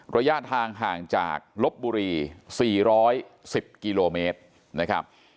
ระยะทางห่างจากลบบุรีสี่ร้อยสิบกิโลเมตรนะครับ